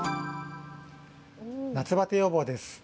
夏バテ予防です。